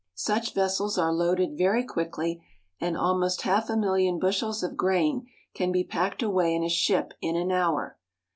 Such vessels are loaded very quickly, and almost half a million bushels of grain can be packed away in a ship in an hour.